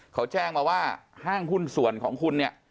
เขาแจ้งมาว่าห้างหุ้นส่วนของคุณเนี่ย